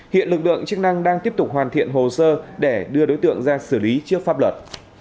hiện lực lượng chức năng đang tiếp tục hoàn thiện hồ sơ để đưa đối tượng ra xử lý trước pháp luật